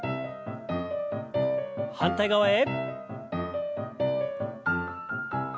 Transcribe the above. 反対側へ。